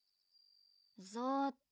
そうっと